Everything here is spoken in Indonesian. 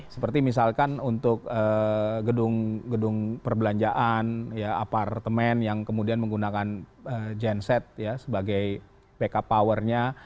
seperti misalkan untuk gedung perbelanjaan apartemen yang kemudian menggunakan genset sebagai backup powernya